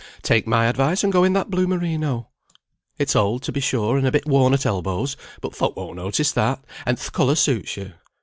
take my advice, and go in that blue merino. It's old to be sure, and a bit worn at elbows, but folk won't notice that, and th' colour suits you.